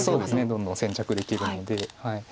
どんどん先着できるので。